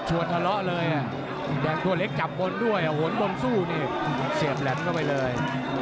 ทะเลาะเลยแดงทั่วเล็กจับบนด้วยหนบนสู้นี่เสียบแหลมเข้าไปเลย